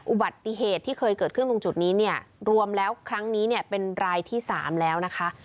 อุบัติเหตุที่เคยเกิดขึ้นตรงจุดนี้เนี่ยรวมแล้วครั้งนี้เนี่ยเป็นรายที่๓แล้วนะคะ